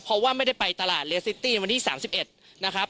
เพราะว่าไม่ได้ไปตลาดเลสซิตี้วันที่๓๑นะครับ